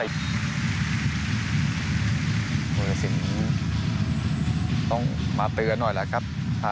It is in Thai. โดยสิต้องมาเปลือกันหน่อยแหละครับ